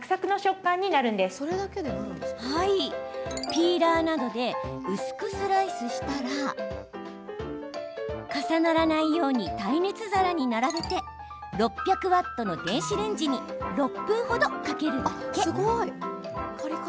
ピーラーなどで薄くスライスしたら重ならないように耐熱皿に並べて６００ワットの電子レンジに６分ほど、かけるだけ。